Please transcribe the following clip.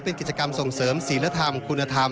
เป็นกิจกรรมส่งเสริมศิลธรรมคุณธรรม